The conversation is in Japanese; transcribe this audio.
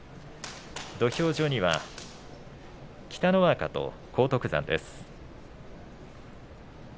土俵上には北の若と荒篤山です。